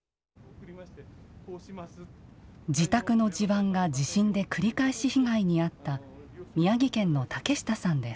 自宅の地盤が地震で繰り返し被害に遭った宮城県の竹下さんです。